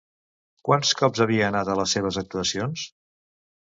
Quants cops havia anat a les seves actuacions?